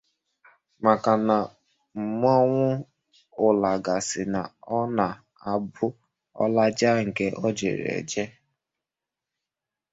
maka na mmọnwụ ụlaga sị na ọ na-abụ ọ lachaa nke o jere eje